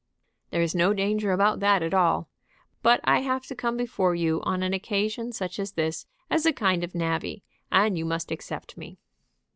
"There is no danger about that at all. But I have to come before you on an occasion such as this as a kind of navvy, and you must accept me."